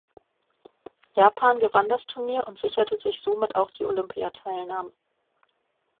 Japan gewann das Turnier und sicherte sich somit auch die Olympiateilnahme.